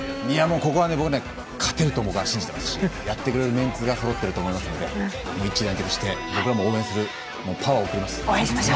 ここは勝てると信じてますしやってくれるメンツがそろっていますので一致団結して僕らも応援するパワーをくれます。